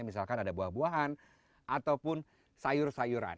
misalkan ada buah buahan ataupun sayur sayuran